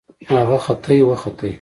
د هغه ختې وختې